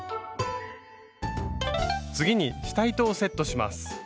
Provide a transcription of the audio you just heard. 次に下糸をセットします。